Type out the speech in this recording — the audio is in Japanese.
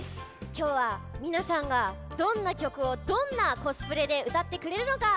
きょうはみなさんがどんなきょくをどんなコスプレでうたってくれるのか。